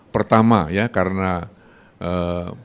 pertama karena ketegaran para anggota tni dan polisi